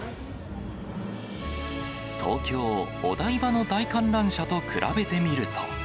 東京・お台場の大観覧車と比べてみると。